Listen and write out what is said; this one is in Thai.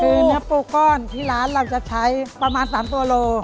คือเนื้อปูก้อนที่ร้านเราจะใช้ประมาณ๓ตัวโล